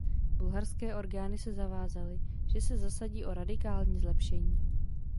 Bulharské orgány se zavázaly, že se zasadí o radikální zlepšení.